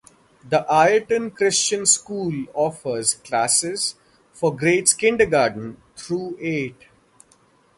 The Ireton Christian School offers classes for grades Kindergarten through eight.